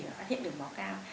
và phát hiện đường máu cao